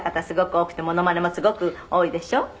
すごく多くてモノマネもすごく多いでしょ？」